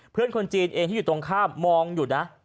คนจีนเองที่อยู่ตรงข้ามมองอยู่นะ